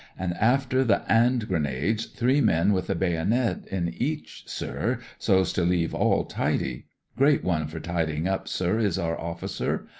An' after the 'and gre nades, three men with the baynit in each, sir, so's to leave all tidy. Great one for tid3in' up, sir, is our officer.